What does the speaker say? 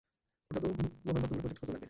ওটা তো মূল্যবান রত্নগুলো প্রোটেক্ট করতেও লাগবে।